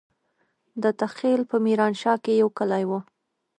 دته خېل په ميرانشاه کې يو کلی وو.